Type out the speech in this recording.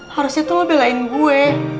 harusnya tuh lo belain gue